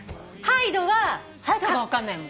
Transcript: ハイドが分かんないもん。